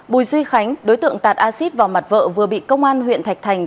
bùi duy khánh đối tượng tạt acid vào mặt vợ vừa bị công an huyện thạch thành